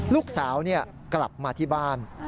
ลูกสาวกลับมาที่บ้าน